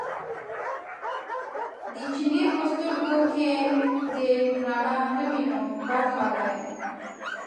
د چیني په سترګو کې دې رڼا نه وینم بد حال دی.